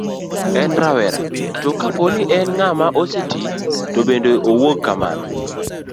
en rawera, to kapo ni en ng'at ma oseti to bende owuog kamano